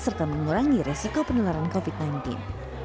serta mengurangi resiko penularan kopi pain tim